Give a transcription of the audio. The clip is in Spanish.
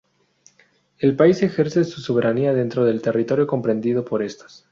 El país ejerce su soberanía dentro del territorio comprendido por estas.